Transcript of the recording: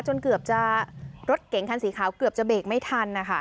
จนรถเกงคันสีขาวเกือบจะเบคไม่ทัน